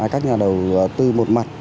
các nhà đầu tư một mặt